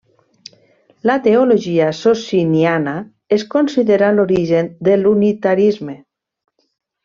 La teologia sociniana es considera l'origen de l'unitarisme.